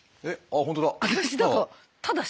あっ本当だ。